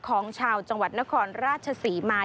ของชาวจังหวัดนครราชศรีมา